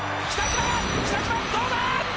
北島、どうだ！